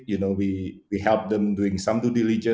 kami membantu mereka melakukan beberapa tugas